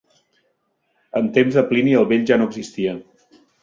En temps de Plini el Vell ja no existia.